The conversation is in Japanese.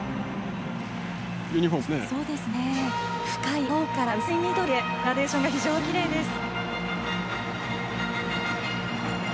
深い青から薄い緑へグラデーションが非常にきれいですね。